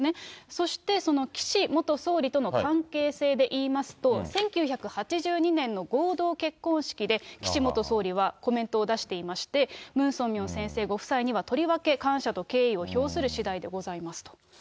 そして、その岸元総理との関係性でいいますと、１９８２年の合同結婚式で、岸元総理はコメントを出していまして、ムン・ソンミョン先生ご夫妻にはとりわけ感謝と敬意を表するしだいでございますと。